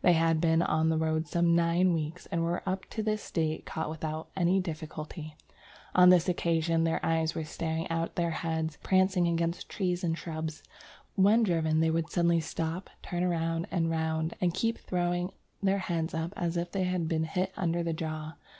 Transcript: "They had been on the road some nine weeks, and were up to this date caught without any difficulty. On this occasion ... their eyes were staring out of their heads, and they were prancing against trees and shrubs.... When driven they would suddenly stop, turn round and round, and keep throwing their heads up as if they had been hit under the jaw....